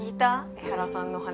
江原さんの話。